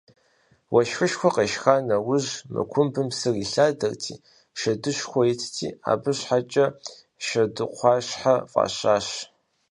Уэшхышхуэ къешха нэужь мы кумбым псыр илъадэрт, шэдышхуэу итти, абы щхьэкӏэ «Шэдыкъуащхьэ» фӏащащ.